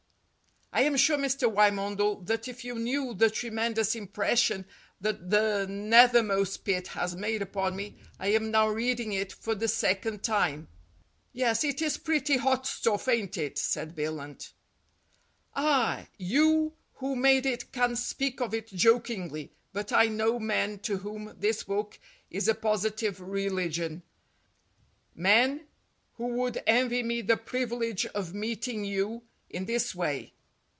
186 STORIES WITHOUT TEARS "I am sure, Mr. Wymondel, that if you knew the tremendous impression that 'The Nethermost Pit' has made upon me I am now reading it for the second time." "Yes, it is pretty hot stuff, ain't it," said Billunt. "Ah, you who made it can speak of it jokingly, but I know men to whom this book is a positive reli gion, men who would envy me the privilege of meeting you in this way.